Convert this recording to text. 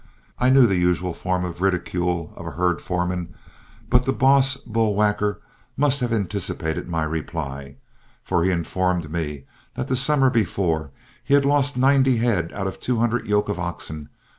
I knew the usual form of ridicule of a herd foreman, but the boss bull whacker must have anticipated my reply, for he informed me that the summer before he had lost ninety head out of two hundred yoke of oxen.